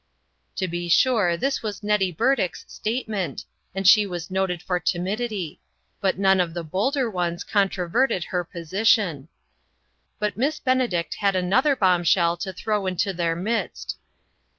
To be sure this was Nettie Burdick's statement, and she was noted for timidity; but none of the bolder ones controverted her position. But Miss Benedict had another bomb shell to throw into their midst.